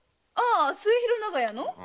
末広長屋の？